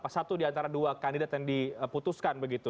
satu diantara dua kandidat yang diputuskan begitu